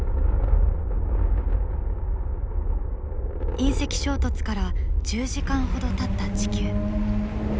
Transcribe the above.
隕石衝突から１０時間ほどたった地球。